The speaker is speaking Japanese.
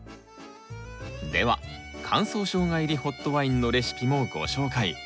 では「乾燥ショウガ入りホットワイン」のレシピもご紹介。